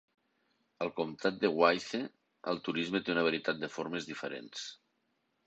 Al comtat de Wythe el turisme té una varietat de formes diferents.